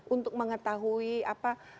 untuk mengetahui apa